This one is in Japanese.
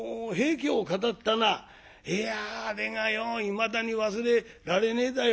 いやあれがよういまだに忘れられねえだよ。